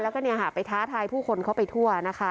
แล้วก็เนี่ยฮะไปท้าทายผู้คนเขาไปทั่วนะคะ